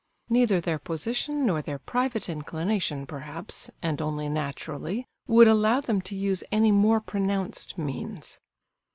Neither their position, nor their private inclination, perhaps (and only naturally), would allow them to use any more pronounced means.